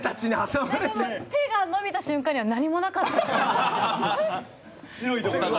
なんかもう手が伸びた瞬間には何もなかった。